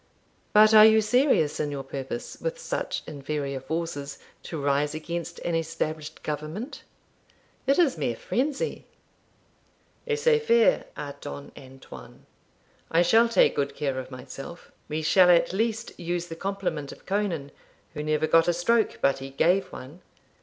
'But are you serious in your purpose, with such inferior forces, to rise against an established government? It is mere frenzy.' 'Laissez faire a Don Antoine; I shall take good care of myself. We shall at least use the compliment of Conan, who never got a stroke but he gave one.